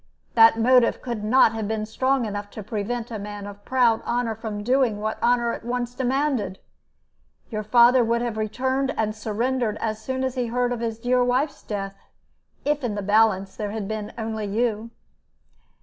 That motive could not have been strong enough to prevent a man of proud honor from doing what honor at once demanded. Your father would have returned and surrendered as soon as he heard of his dear wife's death, if in the balance there had been only you."